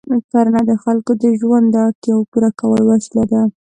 کرنه د خلکو د ژوند د اړتیاوو پوره کولو وسیله ده.